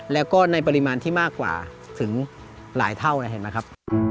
แล้วก็ในปริมาณที่มากกว่าถึงหลายเท่านะเห็นไหมครับ